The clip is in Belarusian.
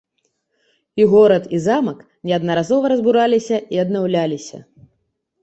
І горад, і замак неаднаразова разбураліся і аднаўляліся.